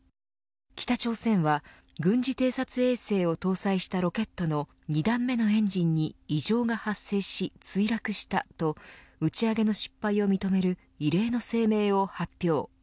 北朝鮮は軍事偵察衛星を搭載したロケットの２段目のエンジンに異常が発生し墜落したと打ち上げの失敗を認める異例の声明を発表。